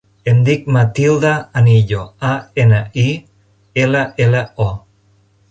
Em dic Matilda Anillo: a, ena, i, ela, ela, o.